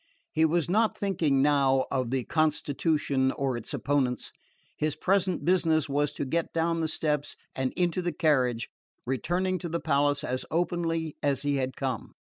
He was not thinking now of the constitution or its opponents. His present business was to get down the steps and into the carriage, returning to the palace as openly as he had come.